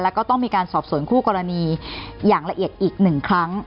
แล้วก็ต้องมีการสอบสวนคู่กรณีอย่างละเอียดอีกหนึ่งครั้ง